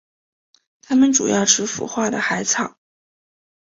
它们主要吃腐化的海草。